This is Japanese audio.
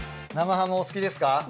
生ハムお好きですか？